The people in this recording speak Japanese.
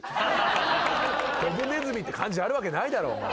ドブネズミって漢字あるわけないだろ。